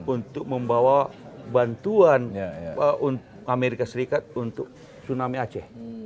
untuk membawa bantuan amerika serikat untuk tsunami aceh